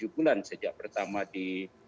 tujuh bulan sejak pertama di